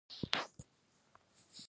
ډرامه له مذهبي مراسمو سرچینه اخلي